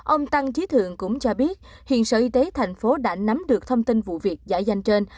ông tăng trí thượng cũng cho biết hiện sở y tế thành phố đã nắm được thông tin vụ việc giải danh trên